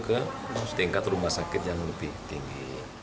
kita harus tingkat rumah sakit yang lebih tinggi